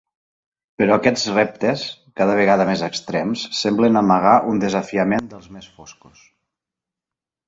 Però aquests reptes, cada vegada més extrems, semblen amagar un desafiament dels més foscos.